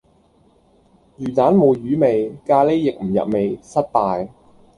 魚蛋冇魚味，咖喱亦唔入味，失敗